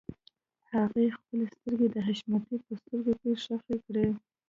هغې خپلې سترګې د حشمتي په سترګو کې ښخې کړې.